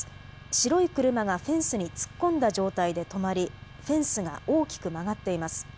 白い車がフェンスに突っ込んだ状態で止まりフェンスが大きく曲がっています。